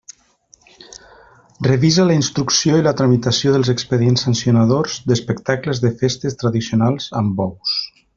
Revisa la instrucció i la tramitació dels expedients sancionadors d'espectacles de festes tradicionals amb bous.